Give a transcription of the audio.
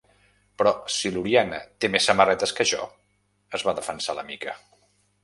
Però si l'Oriana té més samarretes que jo! —es va defensar la Mica.